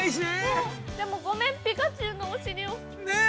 でも、ごめんピカチュウのお尻を◆ねえ！